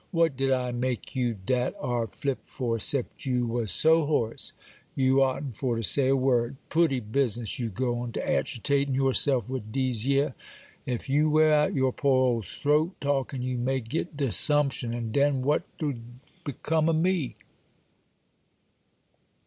'What did I make you dat ar' flip for, 'cept you was so hoarse you oughtn' for to say a word? Pootty business, you go to agitatin' your self wid dese yer! Ef you wear out your poor old throat talkin', you may get de 'sumption; and den what'd become o' me?